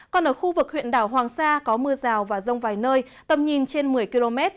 còn ở khu vực huyện đảo hoàng sa có mưa rào và rông vài nơi tầm nhìn trên một mươi km